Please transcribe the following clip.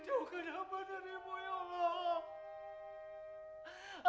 jangan jauhkan amat darimu ya allah